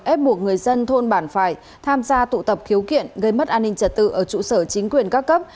ép buộc người dân thôn bản phải tham gia tụ tập khiếu kiện gây mất an ninh trật tự ở trụ sở chính quyền các cấp